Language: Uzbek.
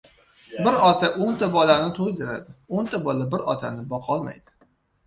• Bir ota o‘nta bolani to‘ydiradi, o‘nta bola bir otani boqolmaydi.